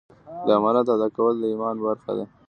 د امانت ادا کول د ایمان برخه ده.